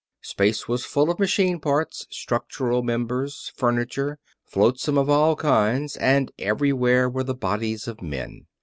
Space was full of machine parts, structural members, furniture, flotsam of all kinds; and everywhere were the bodies of men.